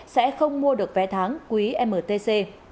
sẽ không mua được vé tháng quý mtc